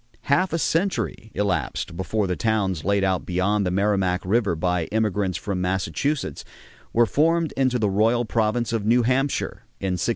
Half a century elapsed before the towns laid out beyond the Merrimac River by emigrants from Massachusetts were formed into the royal province of New Hampshire in 1679.